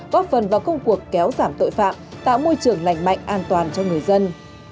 góp phần vào công cuộc kéo giảm tội phạm tạo môi trường lành mạnh an toàn cho người dân